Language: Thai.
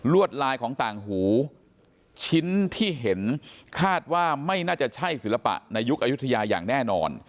ลายของต่างหูชิ้นที่เห็นคาดว่าไม่น่าจะใช่ศิลปะในยุคอายุทยาอย่างแน่นอน